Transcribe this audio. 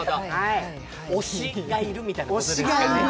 推しがいるみたいなことですね。